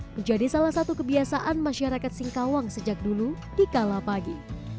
menjadi salah satu kebiasaan masyarakat singkawang sejak dulu di kalapagi